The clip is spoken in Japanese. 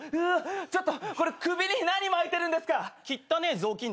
ちょっとこれ首に何巻いてるんですか